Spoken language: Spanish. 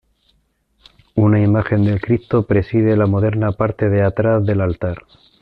Una imagen del Cristo preside la moderna parte de atrás del altar.